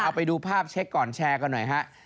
เอาไปดูภาพเช็คก่อนแชร์กันหน่อยฮะ